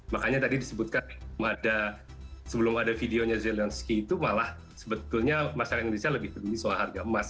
makanya tadi disebutkan sebelum ada videonya zelensky itu malah sebetulnya masyarakat indonesia lebih peduli soal harga emas